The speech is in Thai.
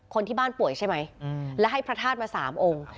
คนที่บ้านป่วยใช่ไหมและให้พระธาตุมา๓องค์